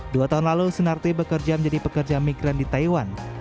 dua tahun lalu senarti bekerja menjadi pekerja migran di taiwan